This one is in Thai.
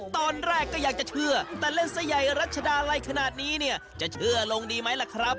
ตอนแรกก็อยากจะเชื่อถ้าเล่นสายใยรัชฎาอะไรขนาดนี้เดี้ยจะเชื่อลงดีไหมละครับ